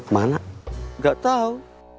mana enggak tahu